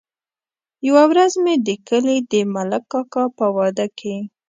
يوه ورځ مې د کلي د ملک کاکا په واده کې.